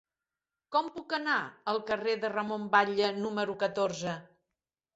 Com puc anar al carrer de Ramon Batlle número catorze?